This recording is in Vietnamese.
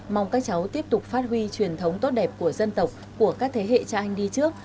mong các cháu tiếp tục phát huy truyền thống tốt đẹp của dân tộc của các thế hệ cha anh đi trước